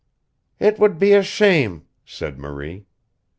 "It would be a shame!" said Marie.